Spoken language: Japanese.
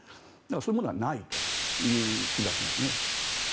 そういうものはないという気がしますね。